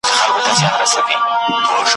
نظر غرونه چوي `